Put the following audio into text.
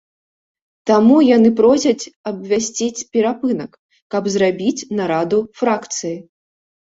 Таму яны просяць абвясціць перапынак, каб зрабіць нараду фракцыі.